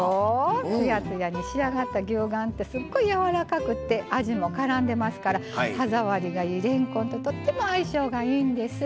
つやつやに仕上がった牛丸ってすっごいやわらかくって味もからんでますから歯触りがいい、れんこんととっても相性がいいんです。